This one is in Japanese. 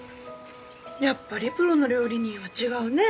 やっぱりプロの料理人は違うね。